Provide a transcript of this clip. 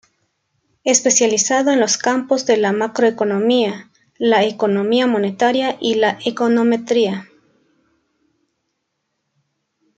Especializado en los campos de la macroeconomía, la economía monetaria y la econometría.